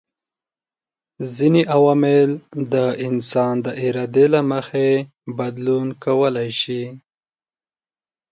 ځيني عوامل د انسان د ارادې له مخي بدلون کولای سي